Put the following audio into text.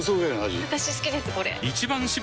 私好きですこれ！